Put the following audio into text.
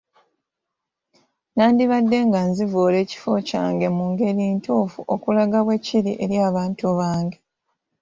Nandibadde nga nzivoola ekifo kyange mu ngeri ntuufu, okulaga bwe kiri eri abantu bange.